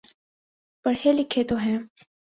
پڑھے لکھے تو ہیں۔